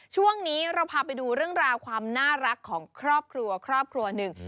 ช่วงนี้เราพาไปดูเรื่องราวความน่ารักของครอบครัวครอบครัวหนึ่ง